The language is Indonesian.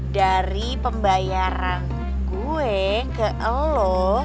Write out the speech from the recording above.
dari pembayaran gue ke elo